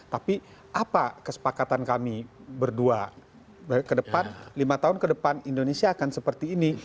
tapi apa kesepakatan kami berdua ke depan lima tahun ke depan indonesia akan seperti ini